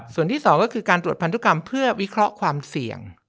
ส่วนที่๒ก็คือการตรวจพันธุกรรมเพื่อวิเคราะห์ความเสี่ยง